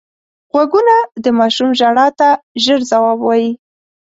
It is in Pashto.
غوږونه د ماشوم ژړا ته ژر ځواب وايي